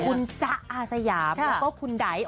คุณจ๊ะอาสยามแล้วก็คุณไดท